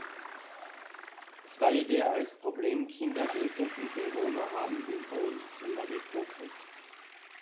Zwei der als Problemkinder geltenden Bewohner haben im Wohnzimmer gekokelt.